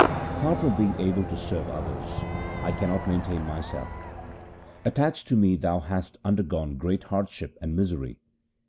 Far from being able to serve others, I cannot maintain myself. Attached to me thou hast undergone great hardship and misery.